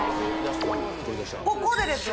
ここでですよ